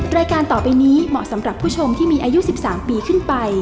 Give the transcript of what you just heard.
รายการต่อไปนี้เหมาะสำหรับผู้ชมที่มีอายุ๑๓ปีขึ้นไป